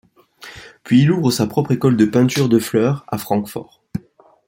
Puis il ouvre sa propre école de peinture de fleurs à Francfort.